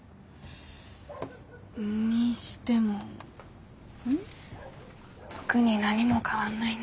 にしても特に何も変わんないね。